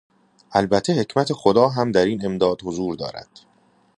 البته حکمت خدا هم در این امداد حضور دارد.